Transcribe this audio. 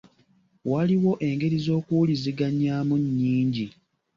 Waliwo engeri z'okuwuliziganyaamu nnyingi.